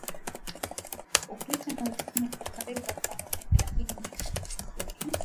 Ukristo na Uislamu viko karibu katika mambo mengi lakini hutumia